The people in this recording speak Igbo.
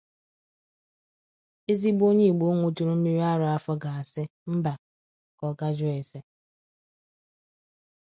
ezigbo onye Igbo ñụjuru mmiri ara afọ ga-asị 'Mba' ka ọ ga jụọ èsè